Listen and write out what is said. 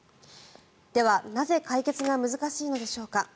では、なぜ解決が難しいのでしょうか。